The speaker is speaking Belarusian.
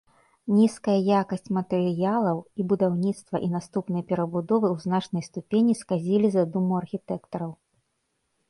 Нізкая якасць матэрыялаў і будаўніцтва і наступныя перабудовы ў значнай ступені сказілі задуму архітэктараў.